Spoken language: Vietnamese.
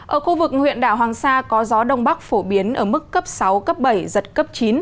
ở khu vực huyện đảo hoàng sa có gió đông bắc phổ biến ở mức cấp sáu cấp bảy giật cấp chín